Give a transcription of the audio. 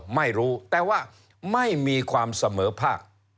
ไม่รู้แต่ว่าไม่มีความเสมอภาค